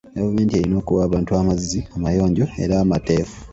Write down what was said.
Gavumenti erina okuwa abantu amazzi amayonjo era amateefu.